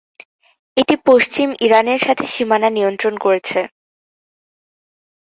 এটি পশ্চিম ইরানের সাথে সীমানা নিয়ন্ত্রণ করেছে।